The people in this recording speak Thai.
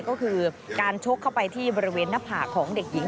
ก็คือการชกเข้าไปที่บริเวณหน้าผากของเด็กหญิง